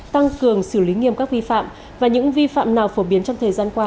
tăng cường xử lý nghiêm các vi phạm và những vi phạm nào phổ biến trong thời gian qua